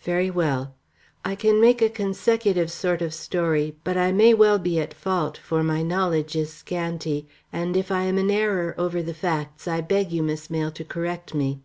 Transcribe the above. "Very well. I can make a consecutive sort of story, but I may well be at fault, for my knowledge is scanty, and if I am in error over the facts, I beg you, Miss Mayle, to correct me.